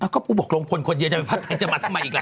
ก็บอกลงพลคนเยอะจะไปพระแตนจะมาทำไมอีกละ